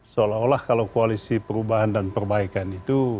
seolah olah kalau koalisi perubahan dan perbaikan itu